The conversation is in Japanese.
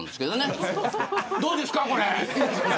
どうですかこれ。